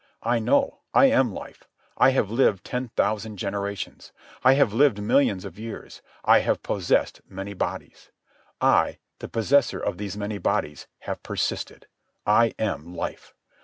I know. I am life. I have lived ten thousand generations. I have lived millions of years. I have possessed many bodies. I, the possessor of these many bodies, have persisted. I am life.